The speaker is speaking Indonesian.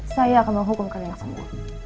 saya akan menghukum kalian semua